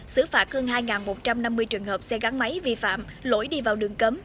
xử phạt hơn hai một trăm năm mươi trường hợp xe gắn máy vi phạm lỗi đi vào đường cấm